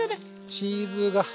チーズが！